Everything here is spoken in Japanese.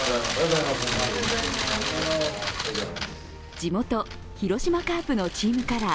地元・広島カープのチームカラー